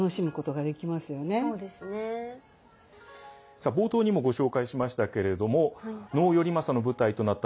さあ冒頭にもご紹介しましたけれども能「頼政」の舞台となった